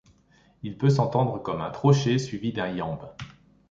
Il peut s'entendre comme un trochée suivi d'un iambe.